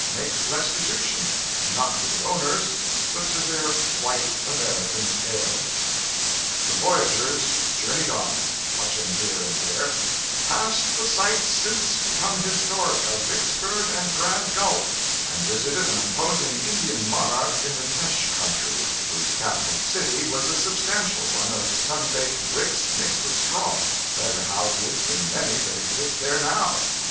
make restitution, not to the owners, but to their white American heirs. The voyagers journeyed on, touching here and there; 'passed the sites, since become historic, of Vicksburg and Grand Gulf,' and visited an imposing Indian monarch in the Teche country, whose capital city was a substantial one of sun baked bricks mixed with straw better houses than many that exist there now.